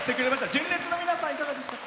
純烈の皆さん、いかがでしたか。